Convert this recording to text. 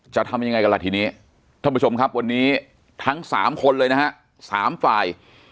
จะทำยังไงกันล่ะทีนี้ท่านผู้ชมครับวันนี้ทั้ง๓คนเลยนะฮะ๓ฝ่าย